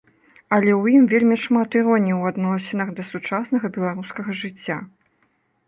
Але ў ім вельмі шмат іроніі ў адносінах да сучаснага беларускага жыцця.